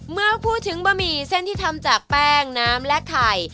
เมื่อพูดถึงบะหมี่เส้นที่ทำจากแป้งน้ำและไข่